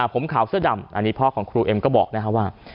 ผมขาวเสื้อดำอันนี้พ่อของครูเอ็มก็บอกนะครับว่า